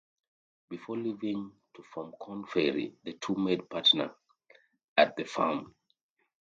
Before leaving to form Korn Ferry, the two made partner at the firm.